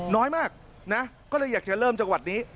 น้อยมากก็จะเริ่มอยากจะเริ่มจังหวัดนี้